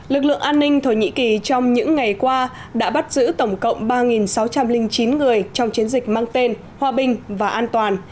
lực lượng an ninh thổ nhĩ kỳ trong những ngày qua đã bắt giữ tổng cộng ba sáu trăm linh chín người trong chiến dịch mang tên hòa bình và an toàn